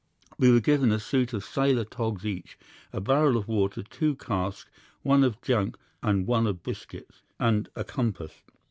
We were given a suit of sailors' togs each, a barrel of water, two casks, one of junk and one of biscuits, and a compass.